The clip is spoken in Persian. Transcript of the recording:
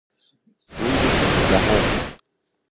روز سیزدهم